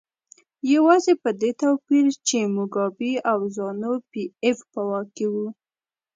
یوازې په دې توپیر چې موګابي او زانو پي ایف په واک کې وو.